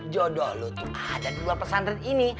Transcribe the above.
jodoh lu tuh ada di luar pesantren ini